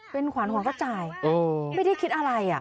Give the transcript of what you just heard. เป็นขวานหัวกระจ่ายไม่ได้คิดอะไร